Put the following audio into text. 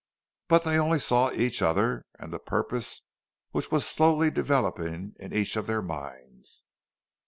But they only saw each other and the purpose which was slowly developing in each of their minds.